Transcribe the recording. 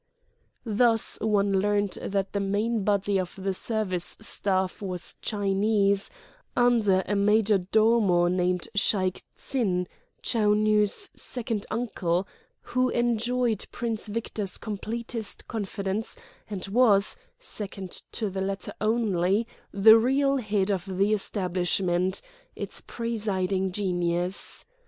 Thus one learned that the main body of the service staff was Chinese under a major domo named Shaik Tsin—Chou Nu's "second uncle"—who enjoyed Prince Victor's completest confidence and was, second to the latter only, the real head of the establishment, its presiding genius.